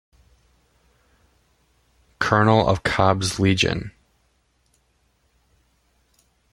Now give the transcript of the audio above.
Colonel of Cobb's Legion.